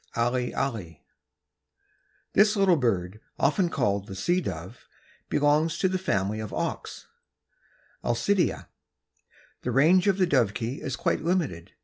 (Alle alle.) This little bird, often called the Sea Dove, belongs to the family of auks (Alcidæ). The range of the Dovekie is quite limited.